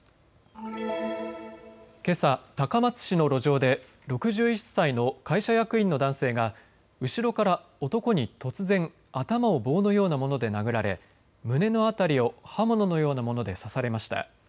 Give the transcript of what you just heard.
けさ高松市の路上で６１歳の会社役員の男性が後ろから男に突然、頭を棒のようなもので殴られ胸の辺りを刃物のようなもので刺されました。